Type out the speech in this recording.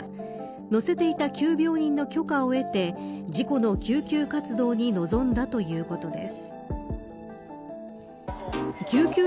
乗せていた急病人の許可を得て事故の救急活動に臨んだということです。